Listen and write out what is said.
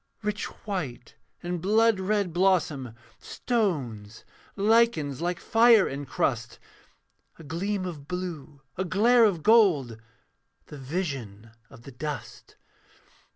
'Rich white and blood red blossom; stones, Lichens like fire encrust; A gleam of blue, a glare of gold, The vision of the dust.